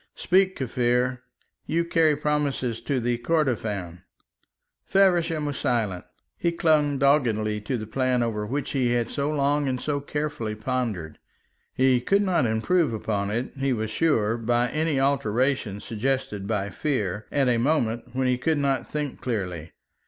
"Speak, Kaffir. You carry promises to Kordofan." Feversham was silent. He clung doggedly to the plan over which he had so long and so carefully pondered. He could not improve upon it, he was sure, by any alteration suggested by fear, at a moment when he could not think clearly.